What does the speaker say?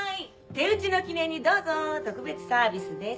手打ちの記念にどうぞ特別サービスです。